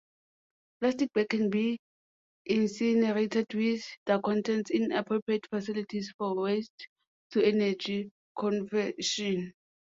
Plastic bags can be incinerated with their contents in appropriate facilities for waste-to-energy conversion.